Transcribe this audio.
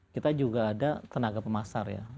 kita juga ada tenaga pemasar ya